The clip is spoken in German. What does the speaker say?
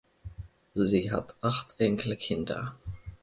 Sie hat acht Enkelkinder.